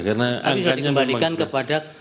karena angkanya memang tapi sudah dikembalikan kepada